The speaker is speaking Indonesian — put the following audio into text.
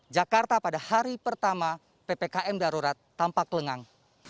jakarta pada hari pertama ppkm darurat tampak lengang